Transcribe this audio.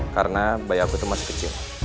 karena bayi aku itu masih kecil